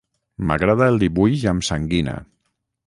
M'agrada el dibuix amb sanguina